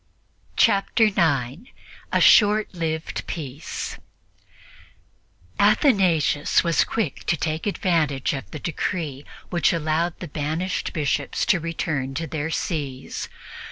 Chapter 9 A SHORT LIVED PEACE ATHANASIUS was quick to take advantage of the decree which allowed the banished Bishops to return to their sees.